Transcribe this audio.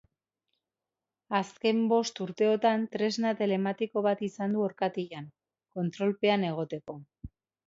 Azken bost urteotan tresna telematiko bat izan du orkatilan, kontrolpean egoteko.